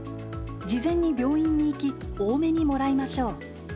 事前に病院に行き多めにもらいましょう。